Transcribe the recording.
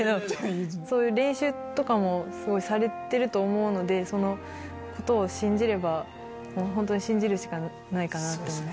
そういう練習とかもすごいされてると思うのでそのことを信じればホントに信じるしかないかなって。